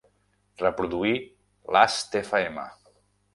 Reproduir Lastfm.